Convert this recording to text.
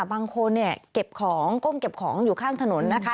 บางคนเนี่ยเก็บของก้มเก็บของอยู่ข้างถนนนะคะ